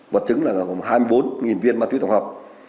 vật chứng là gồm hai mươi bốn viên ma túy tổng hợp